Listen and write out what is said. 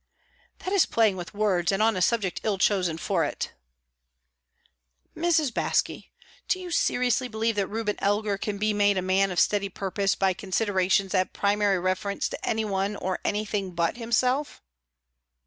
"That is playing with words, and on a subject ill chosen for it." "Mrs. Baske, do you seriously believe that Reuben Elgar can be made a man of steady purpose by considerations that have primary reference to any one or anything but himself?"